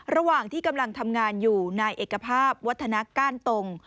ระหว่างที่กำลังทำงานอยู่นายเอกภาพวัฒนาก้านตรง